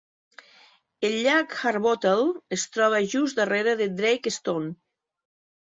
El llac Harbottle es troba just darrera de Drake Stone.